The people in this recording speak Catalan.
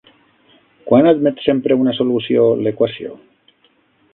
Quan admet sempre una solució l'equació?